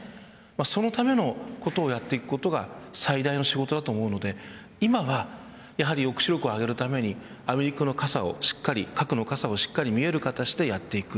そのための事をやっていくことが最大の仕事だと思うので今はやはり抑止力を上げるためにアメリカの核の傘をしっかり見える形でやっていく。